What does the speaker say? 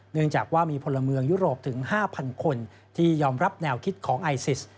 เนื่องจากว่ามีพลเมืองยุโรปถึง๕๐๐คนที่ยอมรับแนวคิดของไอซิส